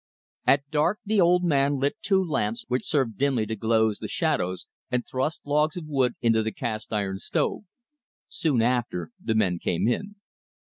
At dark the old man lit two lamps, which served dimly to gloze the shadows, and thrust logs of wood into the cast iron stove. Soon after, the men came in.